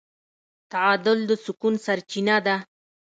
تعادل د سکون سرچینه ده.